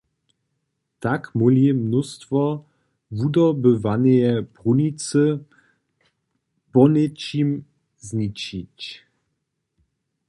Tak móhli mnóstwo wudobywaneje brunicy poněčim znižić.